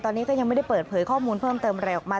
ตอนนี้ก็ยังไม่ได้เปิดเผยข้อมูลเพิ่มเติมอะไรออกมา